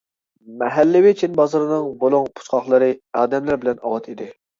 مەھەللىۋى چىن بازىرىنىڭ بۇلۇڭ-پۇچقاقلىرى ئادەملەر بىلەن ئاۋات ئىدى.